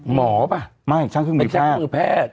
ป่ะไม่ช่างเครื่องมือเป็นช่างเครื่องมือแพทย์